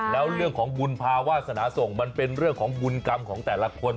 แล้วเรื่องของบุญภาวาสนาส่งมันเป็นเรื่องของบุญกรรมของแต่ละคน